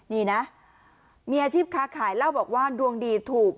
นี่นะมีอาชีพค้าขายเล่าบอกว่าดวงดีถูก